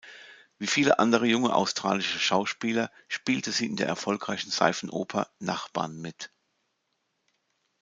Wie viele andere junge australische Schauspieler spielte sie in der erfolgreichen Seifenoper "Nachbarn" mit.